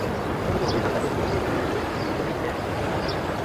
অনুমিতভাবেই কাল ব্যর্থতার কাব্য রচিত হলো ইনচনের গ্যায়াং এশিয়াড আর্চারি মাঠে।